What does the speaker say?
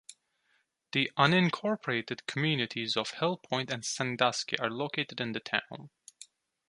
The unincorporated communities of Hill Point and Sandusky are located in the town.